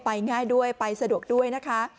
ง่ายด้วยไปสะดวกด้วยนะคะ